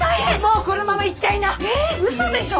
うそでしょ！？